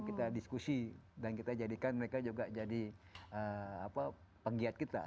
dan wanita itu kita diskusi dan kita jadikan mereka juga jadi penggiat kita